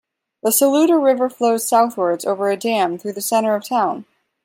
The Saluda River flows southwards over a dam through the center of town.